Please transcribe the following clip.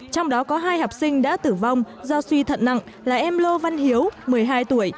trong đó có hai học sinh đã tử vong do suy thận nặng là em lô văn hiếu một mươi hai tuổi